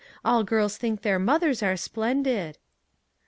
All girls think their mothers are splen did."